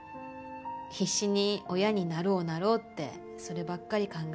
必死に親になろうなろうってそればっかり考えて。